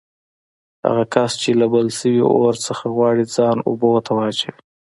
هغه کس چې له بل شوي اور نه غواړي ځان اوبو ته واچوي.